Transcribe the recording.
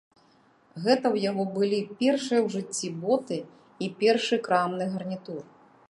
Гэта ў яго былі першыя ў жыцці боты і першы крамны гарнітур.